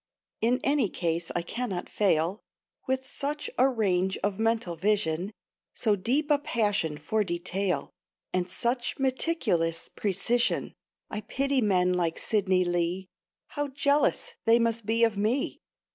In any case I cannot fail, With such a range of mental vision, So deep a passion for detail, And such meticulous precision. I pity men like Sidney Lee; How jealous they must be of me!